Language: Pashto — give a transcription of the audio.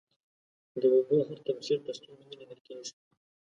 د اوبو هر تبخير په سترگو نه ليدل کېږي.